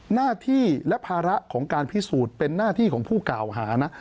หน้าที่และภาระของการพิสูจน์เป็นหน้าที่ของผู้กล่าวหานะ